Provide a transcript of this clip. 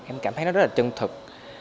em cảm thấy nó rất là chân thực